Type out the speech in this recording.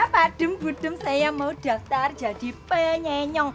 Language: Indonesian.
pak dem budem saya mau daftar jadi penyanyi